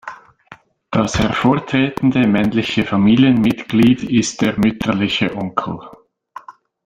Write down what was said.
Das hervortretende männliche Familienmitglied ist der mütterliche Onkel.